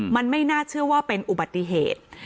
มันไม่น่าเชื่อว่าเป็นอุบัติเหตุ